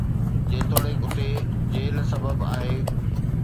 جيتوڻيڪ اتي جيل سبب آهي